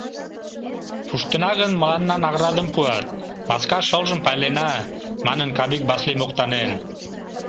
— Пуштына гын, мыланна наградым пуат, маска шылжым пайлена, — манын, Кавик Васли моктанен.